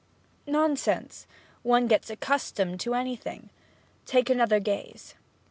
'Nonsense; one gets accustomed to anything. Take another gaze.'